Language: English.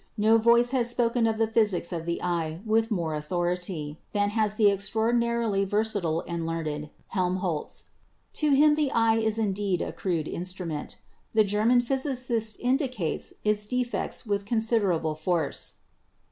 No voice has spoken of the physics of the eye with more authority than has the extraordinarily versatile and learned Helmholtz. To him the eye is indeed a crude instrument. The German physicist indicates its defects with considerable force.